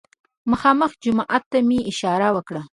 مخامخ جومات ته مې اشاره وکړه.